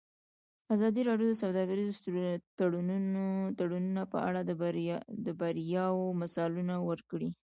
ازادي راډیو د سوداګریز تړونونه په اړه د بریاوو مثالونه ورکړي.